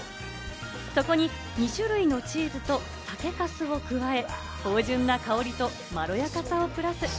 そこに２種類のチーズと酒粕を加え、芳醇な香りと、まろやかさをプラス。